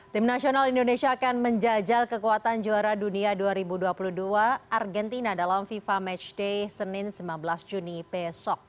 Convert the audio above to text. tim nasional indonesia akan menjajal kekuatan juara dunia dua ribu dua puluh dua argentina dalam fifa matchday senin sembilan belas juni besok